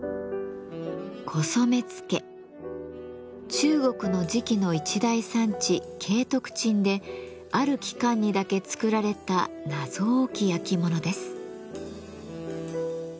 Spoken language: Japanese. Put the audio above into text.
中国の磁器の一大産地景徳鎮である期間にだけ作られた謎多き焼き物です。